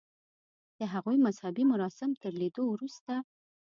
د هغوی مذهبي مراسم تر لیدو وروسته.